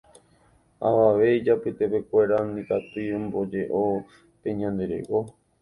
Avave ijapytepekuéra ndikatúi ombojeʼo pe ñande reko.